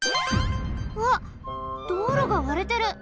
うわっ道路がわれてる！